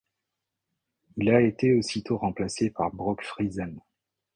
Il a été aussitôt remplacé par Brock Friesen.